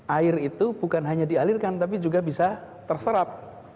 air itu bukan hanya dialirkan tapi juga bisa terserap